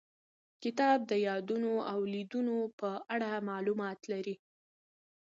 کتاب د یادونو او لیدنو په اړه معلومات لري.